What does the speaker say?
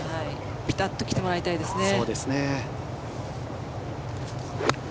ピタッと来てもらいたいですね。